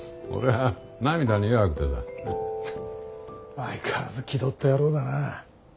相変わらず気取った野郎だな。